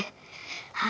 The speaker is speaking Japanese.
はい。